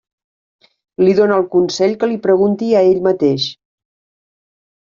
Li dóna el consell que l'hi pregunti a ell mateix.